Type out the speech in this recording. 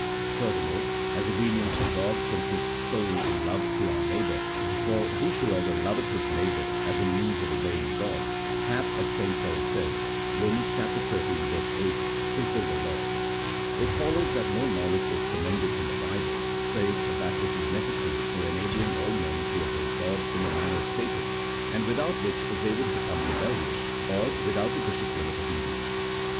Furthermore, as obedience to God consists solely in love to our neighbour — for whosoever loveth his neighbour, as a means of obeying God, hath, as St. Paul says (Eom. xiii. 8), fulfilled the law, — it follows that no knowledge is com mended in the Bible save that which is necessary for enabling all men to obey God in the manner stated, and without which they would become rebellious, or without the discipline of obedience.